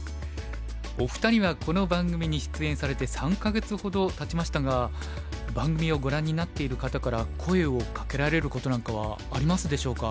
お二人はこの番組に出演されて３か月ほどたちましたが番組をご覧になっている方から声をかけられることなんかはありますでしょうか。